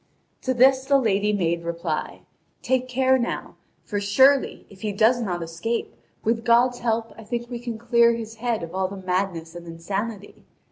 To this the lady made reply: "Take care now! For surely, if he does not escape, with God's help I think we can clear his head of all the madness and insanity.